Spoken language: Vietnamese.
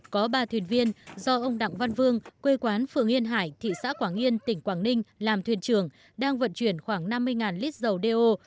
có ba thuyền viên do ông đặng văn vương quê quán phường yên hải thị xã quảng yên tỉnh quảng ninh làm thuyền trưởng đang vận chuyển khoảng năm mươi lít dầu đeo